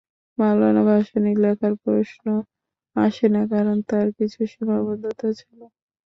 মাওলানা ভাসানীর লেখার প্রশ্ন আসে না, কারণ তাঁর কিছু সীমাবদ্ধতা ছিল।